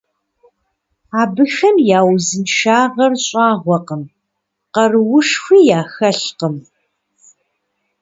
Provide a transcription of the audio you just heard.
Абыхэм я узыншагъэр щӀагъуэкъым, къаруушхуи яхэлъкъым.